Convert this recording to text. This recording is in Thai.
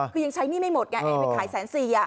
คือยังใช้หนี้ไม่หมดไงไปขาย๑๔๐๐๐๐บาท